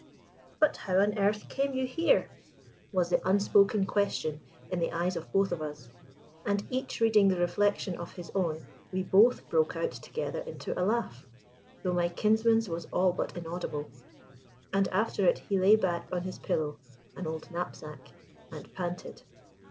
"But how on earth came you here?" was the unspoken question in the eyes of both of us; and, each reading the reflection of his own, we both broke out together into a laugh though my kinsman's was all but inaudible and after it he lay back on his pillow (an old knapsack) and panted.